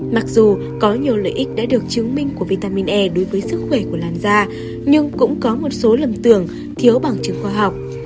mặc dù có nhiều lợi ích đã được chứng minh của vitamin e đối với sức khỏe của làn da nhưng cũng có một số lầm tưởng thiếu bằng chứng khoa học